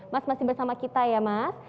mas masih bersama kita ya mas